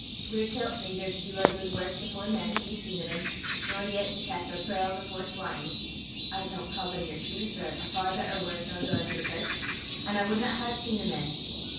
"We're tellt naither to du oor guid warks afore men to be seen o' them, nor yet to cast oor pearls afore swine. I coont cobblin' your shoes, sir, a far better wark nor gaein' to the kirk, an' I wadna hae 't seen o' men.